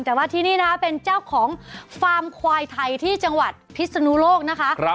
แต่ว่าที่นี่นะคะเป็นเจ้าของฟาร์มควายไทยที่จังหวัดพิศนุโลกนะคะ